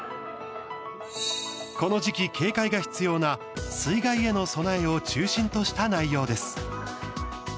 この時期、警戒が必要な水害への備えを中心とした内容です。